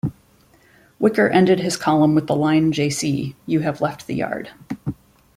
Whicker ended his column with the line Jaycee, you have left the yard.